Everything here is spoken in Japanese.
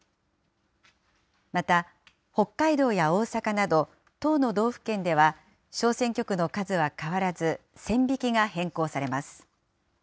また北海道や大阪など１０の道府県では小選挙区の数は変わらず、線引きが変更されます。